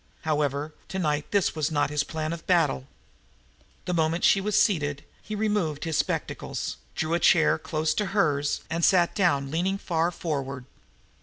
However, tonight this was not his plan of battle. The moment she was seated, he removed his spectacles, drew a chair close to hers and sat down, leaning far forward.